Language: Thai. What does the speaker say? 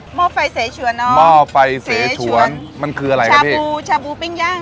ห้อไฟเสฉวนเนอะหม้อไฟเสฉวนมันคืออะไรครับชาบูชาบูปิ้งย่าง